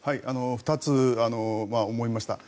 ２つ、思いました。